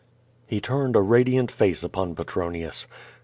He turned a radiant face upon Petronius.